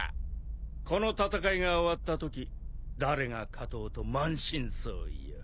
この戦いが終わったとき誰が勝とうと満身創痍よ。